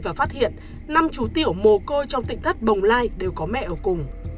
và phát hiện năm chú tiểu mồ côi trong tỉnh thất bồng lai đều có mẹ ở cùng